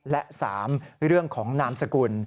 และ๓เรื่องของนามสกุล